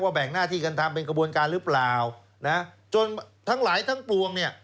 แบ่งหน้าที่กันทำเป็นกระบวนการหรือเปล่านะจนทั้งหลายทั้งปวงเนี่ย